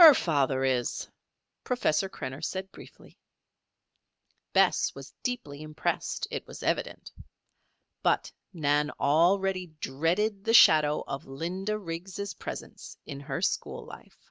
"Her father is," Professor Krenner said briefly. Bess was deeply impressed, it was evident. But Nan already dreaded the shadow of Linda Riggs' presence in her school life.